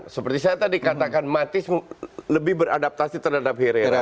seperti saya tadi katakan matis lebih beradaptasi terhadap herrera